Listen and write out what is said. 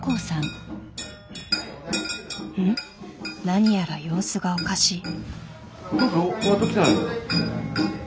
何やら様子がおかしい。